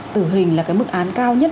tự hình là cái mức án cao nhất